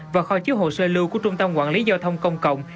và kho chứa hồ sơ lưu của trung tâm quản lý giao thông công cộng